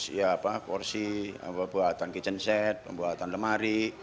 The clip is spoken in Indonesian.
ya apa porsi pembuatan kitchen set pembuatan lemari